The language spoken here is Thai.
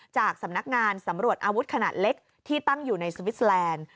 จากสำนักงานสำรวจอาวุธขนาดเล็กที่ตั้งอยู่ในสวิสแลนด์